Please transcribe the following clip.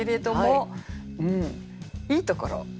いいところ。